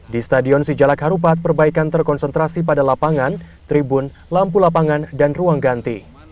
di stadion sijalak harupat perbaikan terkonsentrasi pada lapangan tribun lampu lapangan dan ruang ganti